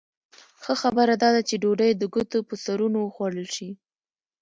ښه خبره دا ده چې ډوډۍ د ګوتو په سرونو وخوړل شي.